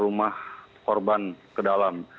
rumah korban ke dalam